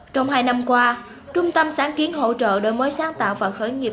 trong hai năm qua trung tâm sáng kiến hỗ trợ đổi mới sáng tạo và khởi nghiệp